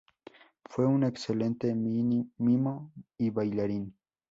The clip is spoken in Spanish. Fue un excelente mimo y bailarín.